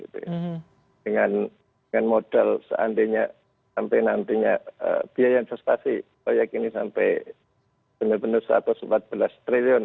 dengan modal seandainya sampai nantinya biaya investasi proyek ini sampai benar benar satu ratus empat belas triliun